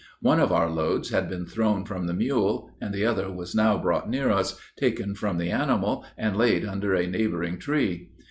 One of our loads had been thrown from the mule, and the other was now brought near us, taken from the animal, and laid under a neighboring tree.